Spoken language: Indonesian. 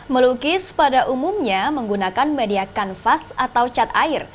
melukis pada umumnya menggunakan media kanvas atau cat air